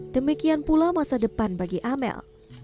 demikian pula masa depan bagi amel